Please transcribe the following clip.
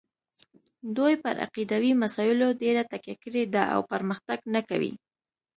دوی پر عقیدوي مسایلو ډېره تکیه کړې ده او پرمختګ نه کوي.